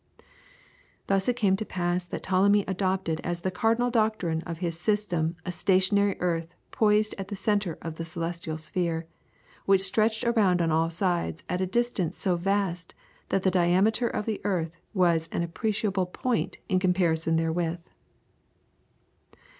Thus it came to pass that Ptolemy adopted as the cardinal doctrine of his system a stationary earth poised at the centre of the celestial sphere, which stretched around on all sides at a distance so vast that the diameter of the earth was an inappreciable point in comparison therewith.